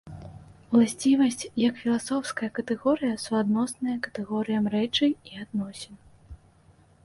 Уласцівасць як філасофская катэгорыя суадносная катэгорыям рэчы і адносін.